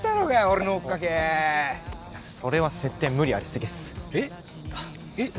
俺の追っかけそれは設定無理ありすぎっすえっ？